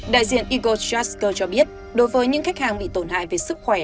đại diện escort trust cho biết đối với những khách hàng bị tổn hại về sức khỏe